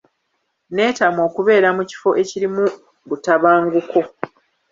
Neetamwa okubeera mu kifo ekirimu butabanguko.